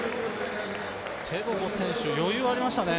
テボゴ選手、余裕がありましたね。